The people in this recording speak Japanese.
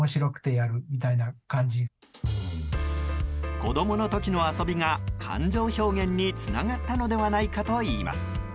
子供の時の遊びが感情表現につながったのではないかといいます。